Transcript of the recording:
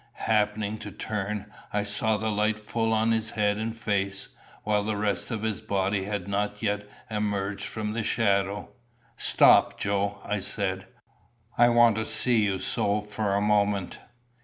Happening to turn, I saw the light full on his head and face, while the rest of his body had not yet emerged from the shadow. "Stop, Joe," I said. "I want to see you so for a moment."